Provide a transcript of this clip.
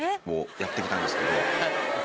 やってきたんですけど。